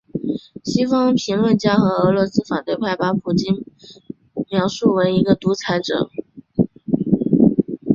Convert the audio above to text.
西方评论家和俄罗斯反对派把普京被描述为一个独裁者。